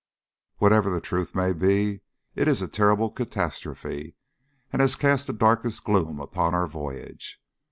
Whatever the truth may be it is a terrible catastrophe, and has cast the darkest gloom upon our voyage.